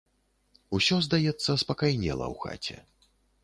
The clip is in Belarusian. Усё, здаецца, спакайнела ў хаце.